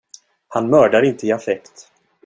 Han mördar inte i affekt.